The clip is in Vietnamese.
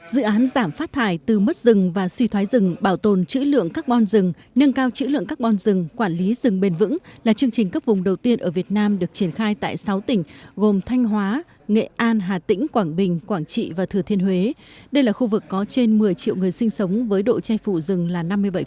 dự án giảm phát thải từ mất rừng và suy thoái rừng bảo tồn chữ lượng carbon rừng nâng cao chữ lượng carbon rừng quản lý rừng bền vững là chương trình cấp vùng đầu tiên ở việt nam được triển khai tại sáu tỉnh gồm thanh hóa nghệ an hà tĩnh quảng bình quảng trị và thừa thiên huế đây là khu vực có trên một mươi triệu người sinh sống với độ che phủ rừng là năm mươi bảy